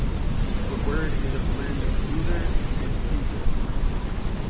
The word is a blend of "loser" and "user".